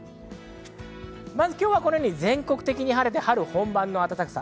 今日は全国的に晴れて、春本番の暖かさ。